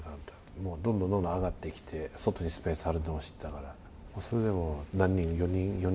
もうどんどんどんどん上がってきて、外にスペースあるのを知ったから、それでも何人、４人？